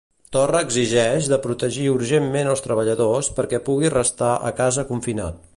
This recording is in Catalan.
Torra exigeix de protegir urgentment els treballadors perquè pugui restar a casa confinat.